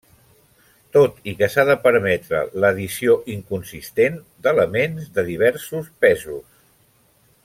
Tot i que s'ha de permetre l'addició 'inconsistent' d'elements de diversos pesos.